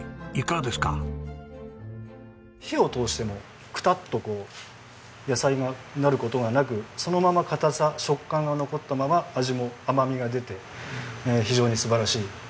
火を通してもクタッとこう野菜がなる事がなくそのまま硬さ食感が残ったまま味も甘みが出て非常に素晴らしい。